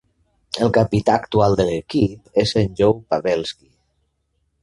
El capità actual de l'equip és en Joe Pavelski.